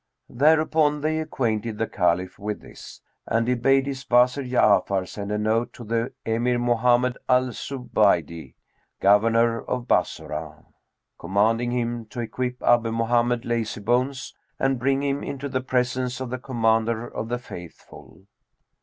Thereupon they acquainted the Caliph with this and he bade his Wazir Ja'afar send a note to the Emir Mohammed al Zubaydн, Governor of Bassorah, commanding him to equip Abu Mohammed Lazybones and bring him into the presence of the Commander of the Faithful.